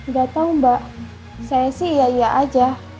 gak tau mbak saya sih iya iya aja